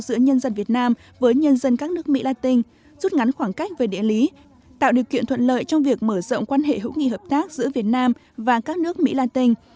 giữa nhân dân việt nam với nhân dân các nước mỹ la tinh rút ngắn khoảng cách về địa lý tạo điều kiện thuận lợi trong việc mở rộng quan hệ hữu nghị hợp tác giữa việt nam và các nước mỹ la tinh